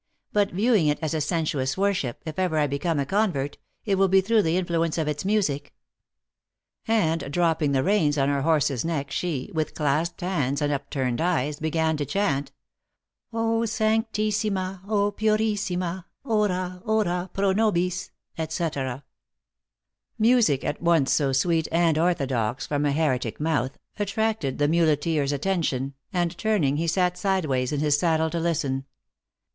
But, viewing it as a sensuous worship, if ever I become a convert, it will be through the influence of its music." And dropping the reins on her horse s neck, she, with clasped hands and upturned eyes, began to chant : "0 Sanctissima! Purissima! Ora, Ora, pro nobis," etc. Music at once so sweet and orthodox from a heretic mouth, attracted the muleteer s attention, and turn ing, he sat sideways in his saddle to listen.